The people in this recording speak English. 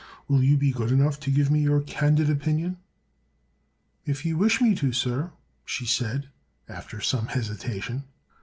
Will you be good enough to give me your candid opinion?" "If you wish me to, sir," she said, after some hesitation.